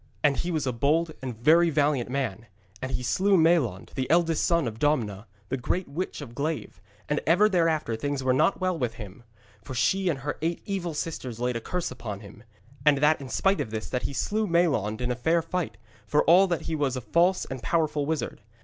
And he was a bold and very valiant man; and he slew Maelond, the eldest son of Domna, the great witch of Glaive, and ever thereafter things were not well with him. For she and her eight evil sisters laid a curse upon him. And that in spite of this, that he slew Maelond in fair fight, for all that he was a false and powerful wizard.